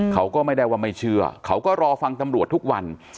เขาก็ไม่ได้ว่าไม่เชื่อเขาก็รอฟังตำรวจทุกวัน